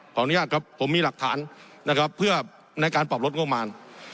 ขออนุญาตครับผมมีหลักฐานนะครับเพื่อในการปรับลดงบประมาณ